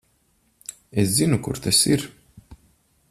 Es zinu, kur tas ir.